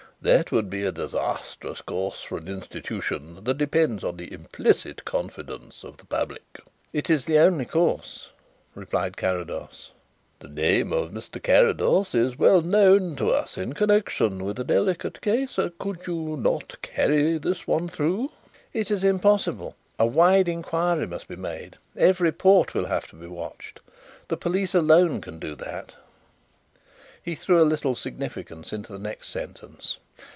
That would be a disastrous course for an institution that depends on the implicit confidence of the public." "It is the only course," replied Carrados. "The name of Mr. Carrados is well known to us in connection with a delicate case. Could you not carry this one through?" "It is impossible. A wide inquiry must be made. Every port will have to be watched. The police alone can do that." He threw a little significance into the next sentence.